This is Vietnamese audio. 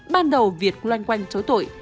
ban đầu việt loanh quanh chối tội